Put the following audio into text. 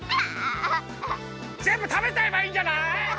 ぜんぶたべちゃえばいいんじゃない。